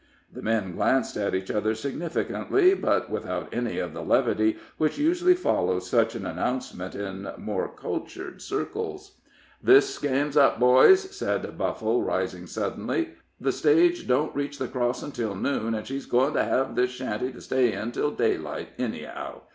The men glanced at each other significantly, but without any of the levity which usually follows such an announcement in more cultured circles. "This game's up, boys," said Buffle, rising suddenly. "The stage don't reach the crossin' till noon, an' she is goin' to hev this shanty to stay in till daylight, anyhow.